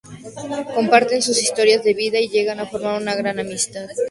Comparten sus historias de vida y llegan a formar una gran amistad.